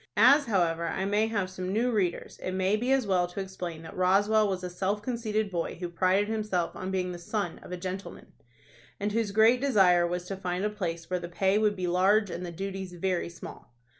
As, however, I may have some new readers, it may be as well to explain that Roswell was a self conceited boy, who prided himself on being "the son of a gentleman," and whose great desire was to find a place where the pay would be large and the duties very small.